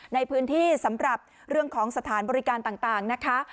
ในพื้นที่สำหรับเรื่องของสถานบริการต่างนะคะ